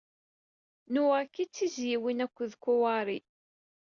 Naoki d tizzyiwin akked Kaori.